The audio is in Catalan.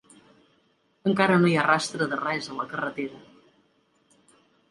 Encara no hi ha rastre de res a la carretera.